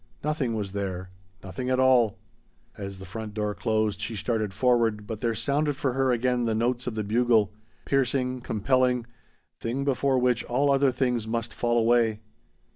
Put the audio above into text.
Nothing was there. Nothing at all. As the front door closed she started forward, but there sounded for her again the notes of the bugle piercing, compelling, thing before which all other things must fall away.